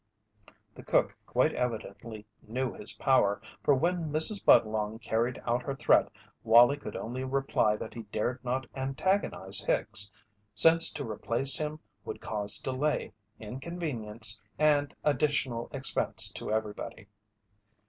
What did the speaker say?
The cook quite evidently knew his power, for when Mrs. Budlong carried out her threat Wallie could only reply that he dared not antagonize Hicks, since to replace him would cause delay, inconvenience, and additional expense to everybody.